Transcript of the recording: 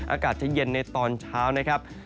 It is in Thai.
อากาศจะเย็นในตอนเช้านะครับ